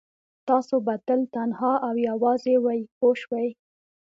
تاسو به تل تنها او یوازې وئ پوه شوې!.